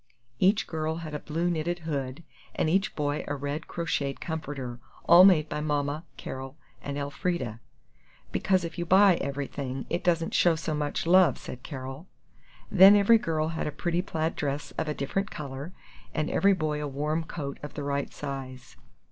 Each girl had a blue knitted hood, and each boy a red crocheted comforter, all made by Mama, Carol and Elfrida ("because if you buy everything, it doesn't show so much love," said Carol). Then every girl had a pretty plaid dress of a different color, and every boy a warm coat of the right size.